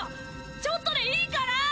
ちょっとでいいから！